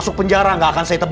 sisi rumah ini